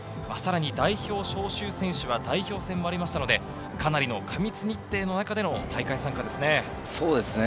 さらに代表招集選手は代表戦もありましたので、かなりの過密日程の中での大会参加ですね。